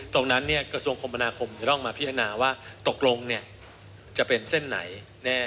ตรงนั้นเนี่ยกระทรวงคมพนาคมจะต้องมาพิจารณาว่าตกลงเนี่ยจะเป็นเส้นไหนแน่